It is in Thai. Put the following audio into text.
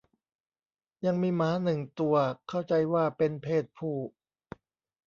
"ยังมีหมาหนึ่งตัว เข้าใจว่าเป็นเพศผู้"